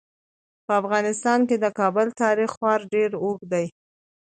په افغانستان کې د کابل تاریخ خورا ډیر اوږد دی.